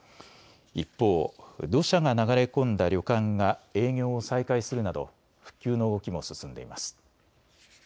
一方、土砂が流れ込んだ旅館が営業を再開するなど復旧の動きも進んでいます。